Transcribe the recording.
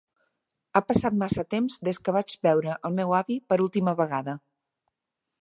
Ha passat massa temps des que vaig veure el meu avi per última vegada.